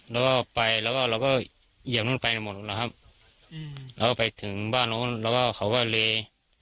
แล้วก็ไปแล้วก็เราก็เอียงนู้นไปหมดแล้วครับแล้วก็ไปถึงบ้านนู้นแล้วก็เขาก็เลย